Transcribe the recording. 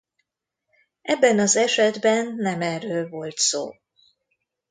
Ebben az esetben nem erről volt szó.